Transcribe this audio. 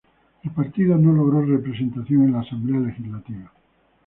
El partido no logró representación en la Asamblea Legislativa.